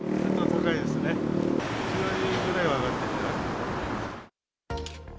１割ぐらいは上がってるかな。